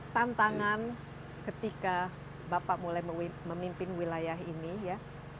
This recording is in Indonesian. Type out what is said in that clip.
tantangan ketika bapak mulai memimpin wilayah ini ya